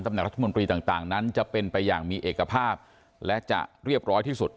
แหนรัฐมนตรีต่างนั้นจะเป็นไปอย่างมีเอกภาพและจะเรียบร้อยที่สุด